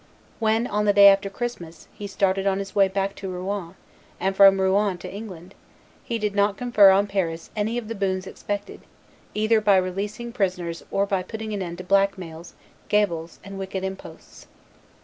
When, on the day after Christmas, he started on his way back to Rouen, and from Rouen to England, he did not confer on Paris "any of the boons expected, either by releasing prisoners or by putting an end to black mails, gabels, and wicked imposts."